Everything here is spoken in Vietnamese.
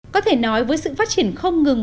có thể nói với sự phát triển không ngừng